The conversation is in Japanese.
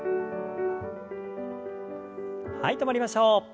はい止まりましょう。